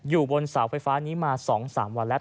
อยู่บนเสาไฟฟ้านี้มา๒๓วันแล้ว